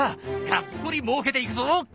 がっぽりもうけていくぞ！